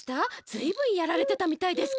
ずいぶんやられてたみたいですけど。